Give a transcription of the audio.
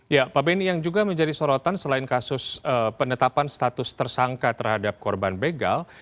ya pak beni yang juga menjadi sorotan selain kasus penetapan status tersangka terhadap korban begal